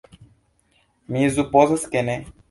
Mi supozas, ke ne.